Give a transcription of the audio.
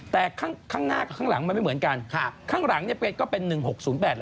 แต่ข้างหน้ากับข้างหลังมันไม่เหมือนกันข้างหลังเนี่ยก็เป็น๑๖๐๘แล้ว